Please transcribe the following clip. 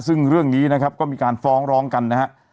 ซึ่งเรื่องนี้นะครับก็มีการฟ้องร้องกันนะฮะ